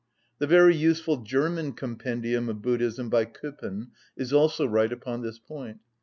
The very useful German compendium of Buddhism by Köppen is also right upon this point.